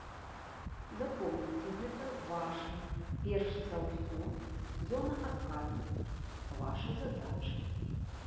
Запомніце, гэта ваша, перш за ўсё, зона адказнасці, ваша задача.